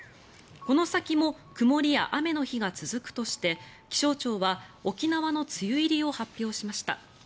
この先も曇りや雨の日が続くとして気象庁は沖縄の梅雨入りを発表しました。